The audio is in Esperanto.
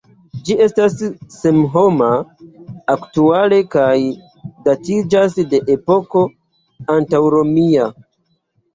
Ĝi estas senhoma aktuale kaj datiĝas de epoko antaŭromia.